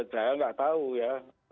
saya nggak tahu ya